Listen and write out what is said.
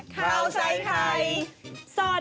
ข้าวใส่ไข่สด